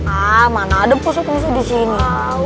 ah mana ada ustadz musa disini